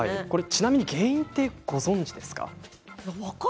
ちなみに原因はご存じですか？